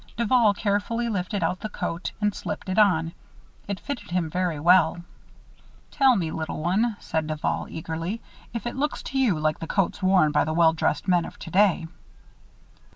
Duval carefully lifted out the coat and slipped it on. It fitted him very well. "Tell me, little one," said Duval, eagerly, "if it looks to you like the coats worn by the well dressed men of today?"